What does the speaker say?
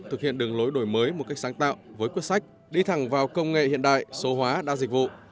thực hiện đường lối đổi mới một cách sáng tạo với quyết sách đi thẳng vào công nghệ hiện đại số hóa đa dịch vụ